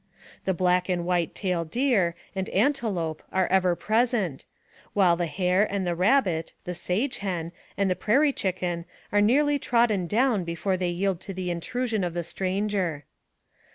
The black and white tail deer and antelope are ever present, while the hare and the rabbit, the sage hen, and the prairie chicken are nearly trodden down before they yield to the intrusion of the stranger.